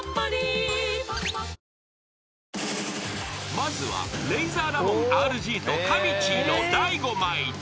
［まずはレイザーラモンＲＧとかみちぃの『大悟ｍｉｔｅ』］